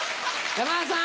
山田さん